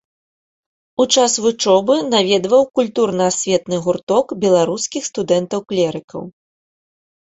У час вучобы наведваў культурна-асветны гурток беларускіх студэнтаў-клерыкаў.